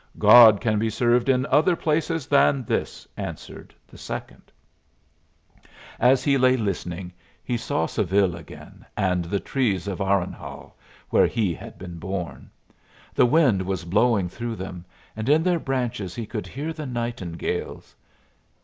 "God can be served in other places than this," answered the second. As he lay listening he saw Seville again, and the trees of Aranhal, where he had been born. The wind was blowing through them; and in their branches he could hear the nightingales.